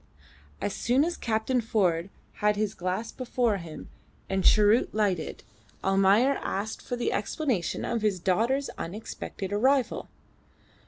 As soon as Captain Ford had his glass before him and his cheroot lighted, Almayer asked for the explanation of his daughter's unexpected arrival.